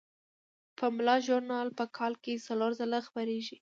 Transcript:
پملا ژورنال په کال کې څلور ځله خپریږي.